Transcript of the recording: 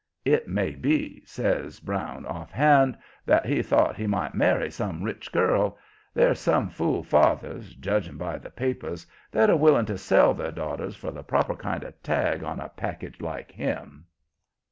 It may be," says Brown, offhand, "that he thought he might marry some rich girl. There's some fool fathers, judging by the papers, that are willing to sell their daughters for the proper kind of tag on a package like him."